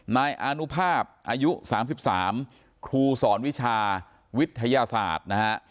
นายอานุภาพอายุ๓๓ครูสอนวิชาวิทยาศาสตร์นะฮะ